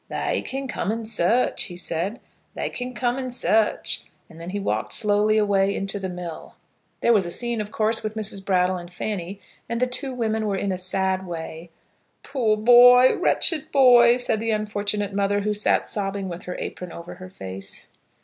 "They can come and search," he said. "They can come and search." And then he walked slowly away into the mill. There was a scene, of course, with Mrs. Brattle and Fanny, and the two women were in a sad way. "Poor boy, wretched boy!" said the unfortunate mother, who sat sobbing with her apron over her face.